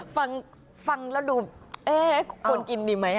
ฟังแล้วดูเอ๊ะควรกินดีไหม